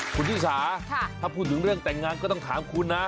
คุณชิสาถ้าพูดถึงเรื่องแต่งงานก็ต้องถามคุณนะ